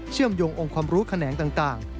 เชื่อมโยงองค์ความรู้แขนงต่าง